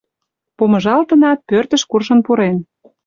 Помыжалтынат, пӧртыш куржын пурен.